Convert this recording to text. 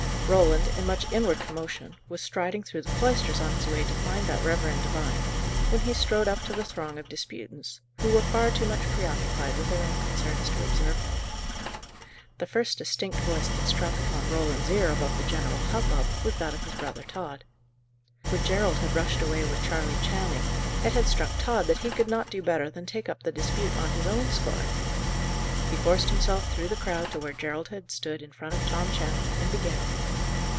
Roland, in much inward commotion, was striding through the cloisters on his way to find that reverend divine, when he strode up to the throng of disputants, who were far too much preoccupied with their own concerns to observe him. The first distinct voice that struck upon Roland's ear above the general hubbub, was that of his brother Tod. When Gerald had rushed away with Charley Channing, it had struck Tod that he could not do better than take up the dispute on his own score. He forced himself through the crowd to where Gerald had stood in front of Tom Channing, and began.